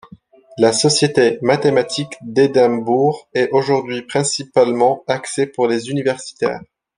La société mathématique d'Édimbourg est aujourd'hui principalement axée pour les universitaires.